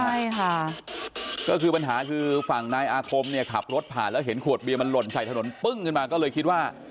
ใช่ค่ะก็คือปัญหาคือฝั่งนายอาคมเนี่ยขับรถผ่านแล้วเห็นขวดเบียมันหล่นใส่ถนนปึ้งขึ้นมาก็เลยคิดว่า